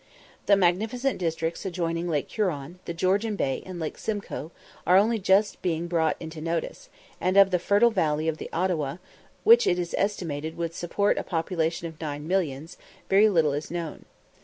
The magnificent districts adjoining Lake Huron, the Georgian Bay, and Lake Simcoe, are only just being brought into notice; and of the fertile valley of the Ottawa, which it is estimated would support a population of nine millions, very little is known.